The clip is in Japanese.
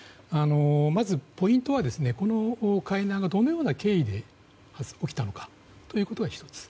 まずポイントはこの海難がどのような経緯で起きたのかということが１つ。